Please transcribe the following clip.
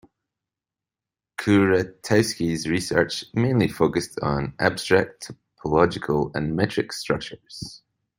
Kuratowski's research mainly focused on abstract topological and metric structures.